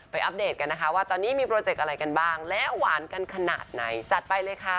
อัปเดตกันนะคะว่าตอนนี้มีโปรเจกต์อะไรกันบ้างและหวานกันขนาดไหนจัดไปเลยค่ะ